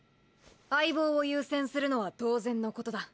相棒を優先するのは当然のことだ。